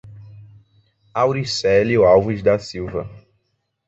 Auricelio Alves da Silva